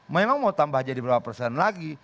memang mau tambah jadi berapa persen lagi